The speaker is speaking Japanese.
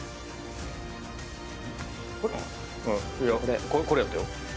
いやこれやったよ。